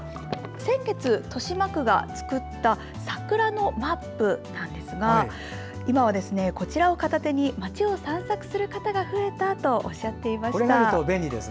先月、豊島区が作った桜のマップなんですが今はこちらを片手に町を散策する方も増えたとおっしゃっていました。